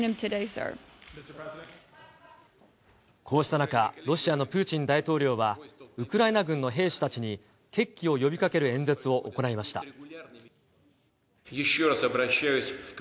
こうした中、ロシアのプーチン大統領は、ウクライナ軍の兵士たちに決起を呼びかける演説を行いました。